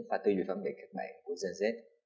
và tư duy phân biệt các bạn của zz